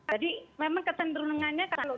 jadi memang kecenderungannya kalau